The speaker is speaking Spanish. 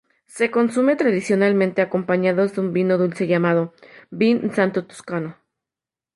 Se consumen tradicionalmente acompañados de un vino dulce llamado "vin santo toscano".